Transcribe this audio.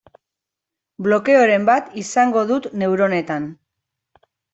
Blokeoren bat izango dut neuronetan.